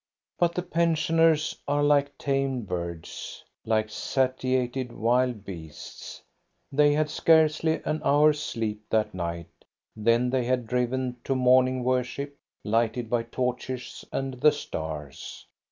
But the pensioners are like tamed birds, like sa tiated wild beasts. They had had scarcely an hour's sleep that night; then they had driven to morning worship, lighted by torches and the stars.